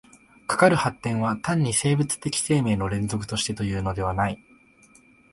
かかる発展は単に生物的生命の連続としてというのではない。